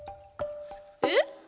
えっ？